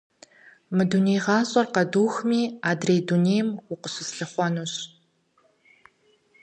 Мы дуней гъащӏэр къэдухми, адрей дунейм укъыщыслъыхъуэнущ.